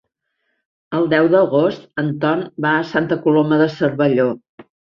El deu d'agost en Ton va a Santa Coloma de Cervelló.